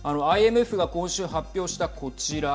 ＩＭＦが今週、発表したこちら。